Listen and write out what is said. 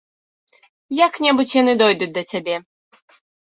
Як-небудзь яны дойдуць да цябе.